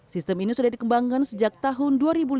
sistem ini sudah dikembangkan sejak tahun dua ribu